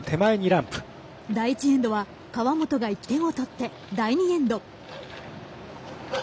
第１エンドは河本が１点を取って第２エンド。